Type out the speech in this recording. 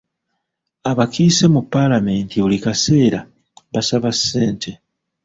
Abakkise mu palamenti buli kaseera basaba ssente.